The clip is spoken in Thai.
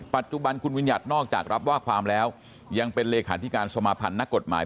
ปัจจุบันคุณวิญญัตินอกจากรับว่าความแล้วยังเป็นเลขาธิการสมาพันธ์นักกฎหมาย